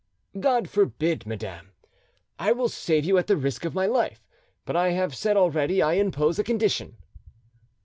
"God forbid, madam; I will save you at the risk of my life; but I have said already, I impose a condition."